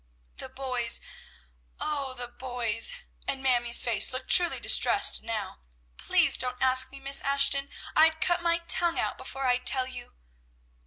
"The boys! oh, the boys!" and Mamie's face looked truly distressed now. "Please don't ask me, Miss Ashton. I'd cut my tongue out before I'd tell you!"